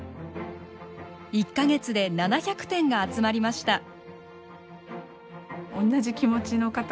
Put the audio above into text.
１か月で７００点が集まりました。